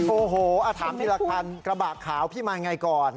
โอ้โห้อาถามที่แหละพันธุ์กระบะขาวพี่มายังไงก่อน